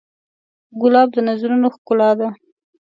ګلاب د نظرونو ښکلا ده.